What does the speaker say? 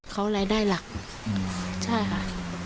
เขารายได้หลักใช่ค่ะ